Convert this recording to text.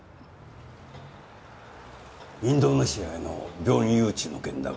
インドネシアへの病院誘致の件だが。